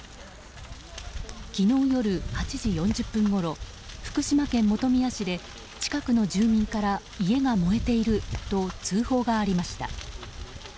昨日夜８時４０分ごろ福島県本宮市で近くの住民から家が燃えていると通報がありました。